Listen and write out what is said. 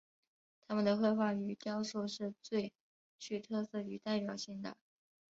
他们的绘画与雕塑是最具特色与代表性的。